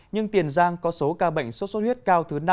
nhưng tiền giang có số ca bệnh sốt xuất huyết cao thứ năm